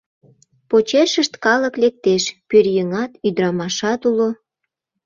Почешышт калык лектеш: пӧръеҥат, ӱдырамашат уло.